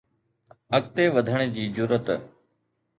اڳتي وڌڻ جي جرئت